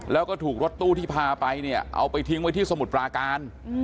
แล้วก็ถูกรถตู้ที่พาไปเนี่ยเอาไปทิ้งไว้ที่สมุทรปราการ